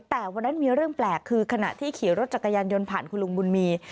แต่วันนั้นมีเรื่องแปลกคือขณะที่ขี่รถจักรยานยนต์ผ่านคุณลุงบุญมี